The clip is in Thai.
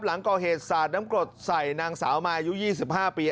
หลังก่อเหตุสาดน้ำกรดใส่นางสาวมายุ๒๕ปี